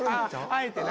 あえてな。